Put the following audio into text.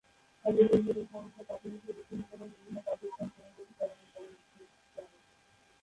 তবে দিন দিন এই সমস্যা কাটিয়ে উঠে বিশ্ববিদ্যালয়ের বিভিন্ন কার্যক্রম সময়মতো চলমান করা হচ্ছে।